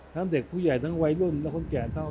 เด็กผู้ใหญ่ทั้งวัยรุ่นและคนแก่เท่า